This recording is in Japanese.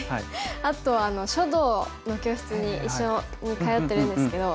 あと書道の教室に一緒に通ってるんですけど。